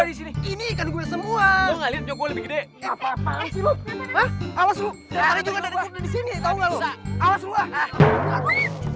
disini tahu nggak lu